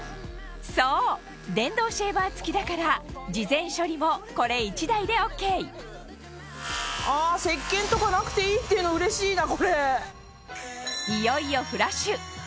そう電動シェーバー付きだから事前処理もこれ１台でＯＫ石けんとかなくていいっていうのうれしいな。